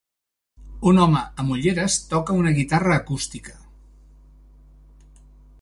Un home amb ulleres toca una guitarra acústica.